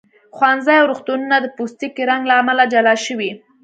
ښوونځي او روغتونونه د پوستکي رنګ له امله جلا شوي.